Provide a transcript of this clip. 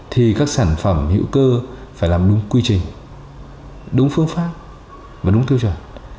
thì các sản phẩm hữu cơ phải làm đúng quy trình đúng phương pháp và đúng tiêu chuẩn